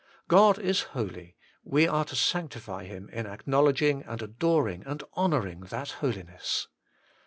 God is holy : we are to sanctify Him in acknowledging and adoring and honouring that holiness.